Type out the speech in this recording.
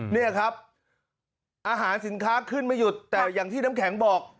นี่ครับอาหารสินค้าขึ้นไม่หยุดแต่อย่างที่น้ำแข็งบอก